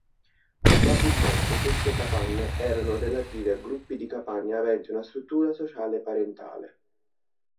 Probabilmente queste capanne erano relative a gruppi di capanne aventi una struttura sociale parentale.